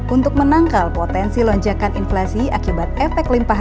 untuk menangkal potensi lonjakan inflasi akibat efek limpahan